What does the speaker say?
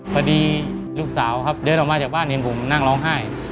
พอดีลูกสาวครับเดินออกมาจากบ้านเห็นผมนั่งร้องไห้